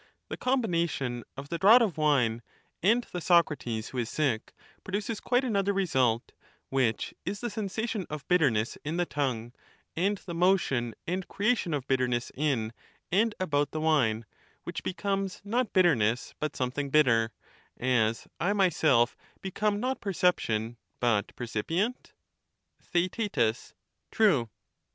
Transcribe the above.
The combination of the draught of wine, and the Socrates who is sick, produces quite another result ; which is the sensation of bitterness in the tongue, and the motion and creation of bitterness in and about the wine, which becomes not bitterness but something bitter; as I myself become not perception but percipient ? Theaet, True.